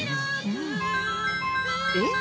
うん。えっ？